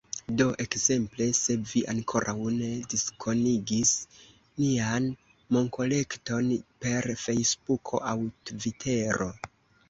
Do ekzemple, se vi ankoraŭ ne diskonigis nian monkolekton per Fejsbuko aŭ Tvitero